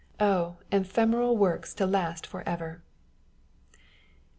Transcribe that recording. Oh ! ephemeral works to last for ever